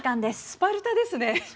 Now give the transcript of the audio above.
スパルタです。